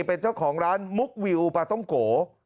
เป็นเจ้าของร้านมุกวิวปลาต้องโก